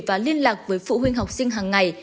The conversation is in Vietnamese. và liên lạc với phụ huynh học sinh hàng ngày